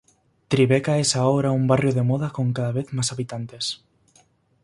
Tribeca es ahora un barrio de moda con cada vez más habitantes.